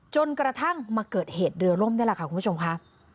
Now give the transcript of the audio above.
จนกระทั่งมาเกิดเหตุเดือร่มคุณผู้ชมครับ